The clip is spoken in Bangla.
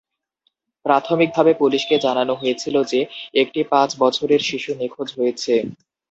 প্রাথমিকভাবে, পুলিশকে জানানো হয়েছিল যে একটি পাঁচ বছরের শিশু নিখোঁজ হয়েছে।